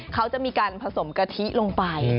เขาจะมีการผสมกะทิลงไป